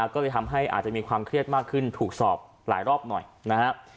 ก็เลยทำให้อาจจะมีความเครียดมากขึ้นถูกสอบหลายรอบหน่อยนะครับ